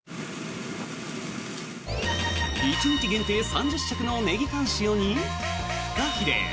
１日限定３０食のネギタン塩にフカヒレ。